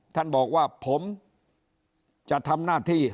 ท่านบอกว่าผมจะทำหน้าที่